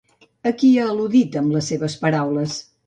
A qui ha al·ludit amb les seves paraules?